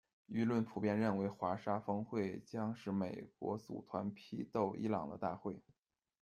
舆论普遍认为，华沙峰会将是美国组团批斗伊朗的大会。